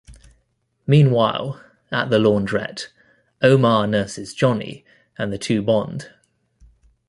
Meanwhile, at the laundrette, Omar nurses Johnny, and the two bond.